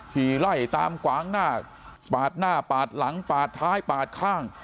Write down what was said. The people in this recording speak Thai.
ขี่ไล่ตามกวางหน้าปาดหน้าปาดหลังปาดท้ายปาดข้าง